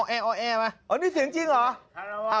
อ้อแอมาอันนี้เสียงจริงเหรอ